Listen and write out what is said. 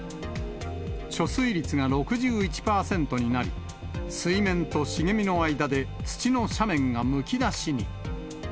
貯水率が６１％になり、水面と茂みの間で土の斜面がむき出しに。